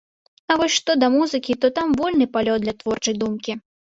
А вось што да музыкі, то там вольны палёт для творчай думкі.